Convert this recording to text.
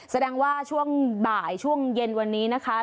แสดงว่าช่วงบ่ายช่วงเย็นวันนี้นะคะ